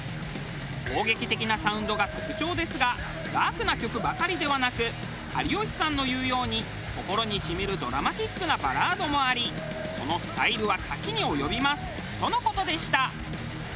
攻撃的なサウンドが特徴ですがダークな曲ばかりではなく有吉さんの言うように心に染みるドラマティックなバラードもありそのスタイルは多岐に及びますとの事でした。